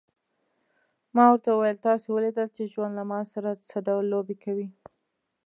ما ورته وویل: تاسي ولیدل چې ژوند له ما سره څه ډول لوبې کوي.